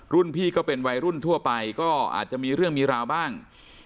พี่ก็เป็นวัยรุ่นทั่วไปก็อาจจะมีเรื่องมีราวบ้าง